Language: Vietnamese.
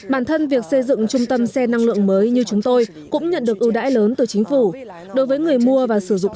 năm hai nghìn hai mươi hai tổng sản lượng và doanh số tiêu thụ ô tô năng lượng mới ở trung quốc